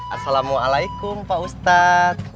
assalamualaikum pak ustadz